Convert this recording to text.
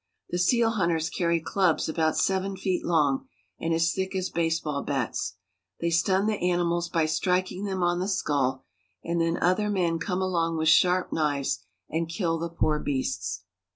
The seal hunters carry clubs about seven feet long and as thick as baseball bats. They stun. the animals by striking them on the skull, and then other men come along with sharp knives and kill the poor beasts.